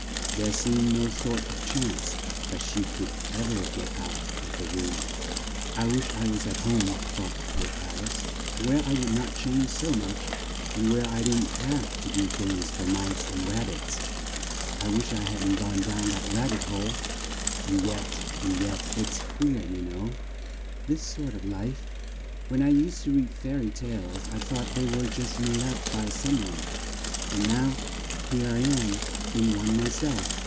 There seemed no sort of chance that she could ev er get out of the room. "I wish I was at home," thought poor Al ice, "where I wouldn't change so much, and where I didn't have to do things for mice and rab bits. I wish I hadn't gone down that rab bit hole and yet and yet it's queer, you know, this sort of life! When I used to read fair y tales, I thought they were just made up by some one, and now here I am in one my self.